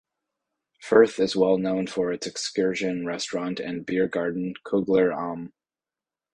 Furth is well known for its excursion restaurant and beer garden Kugler Alm.